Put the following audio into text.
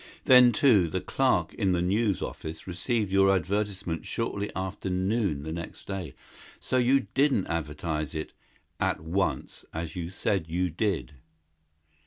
Then, too, the clerk in the News office received your advertisement shortly after noon the next day so you didn't advertise it 'at once,' as you said you did.